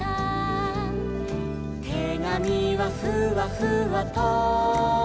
「てがみはふわふわと」